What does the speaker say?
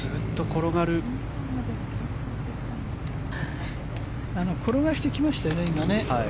転がしてきましたね、今。